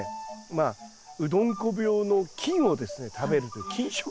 まあうどんこ病の菌をですね食べるという菌食系。